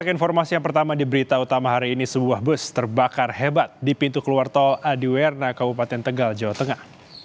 kita informasi yang pertama di berita utama hari ini sebuah bus terbakar hebat di pintu keluar tol adiwerna kabupaten tegal jawa tengah